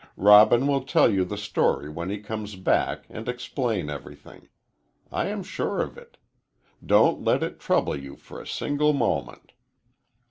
Robin will tell you the story when he comes back, and explain everything. I am sure of it. Don't let it trouble you for a single moment."